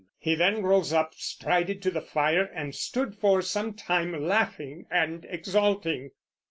He then rose up, strided to the fire, and stood for some time laughing and exulting.